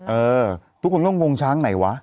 เออทุกคนก็งงช้างไหนวะ